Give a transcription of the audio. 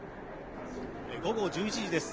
午後１１時です。